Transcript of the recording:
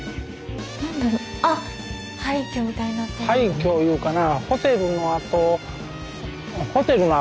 廃虚いうかな。